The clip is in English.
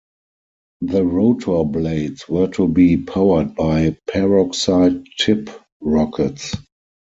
The rotor blades were to be powered by peroxide tip rockets.